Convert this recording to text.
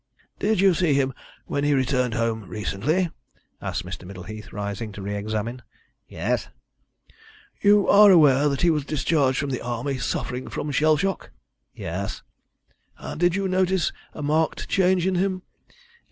"Did you see him when he returned home recently?" asked Mr. Middleheath, rising to re examine. "Yes." "You are aware he was discharged from the Army suffering from shell shock?" "Yes." "And did you notice a marked change in him?"